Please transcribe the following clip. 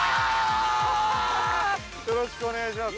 ◆ハハハハよろしくお願いします。